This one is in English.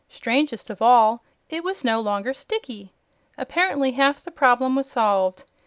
Strangest of all, it was no longer sticky. Apparently half the problem was solved.